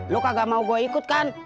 lu kagak mau gua ikut kan